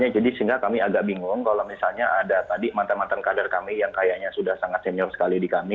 jadi sehingga kami agak bingung kalau misalnya ada tadi mantan mantan kader kami yang kayaknya sudah sangat senior sekali di kami